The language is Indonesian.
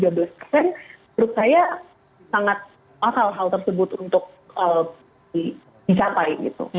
menurut saya sangat akal hal tersebut untuk disapai